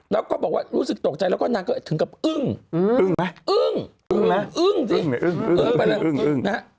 แล้วก็บอกว่ารู้สึกตกใจแล้วนางก็ถึงกับอึ้งอึ้งนะอึ้งอึ้ง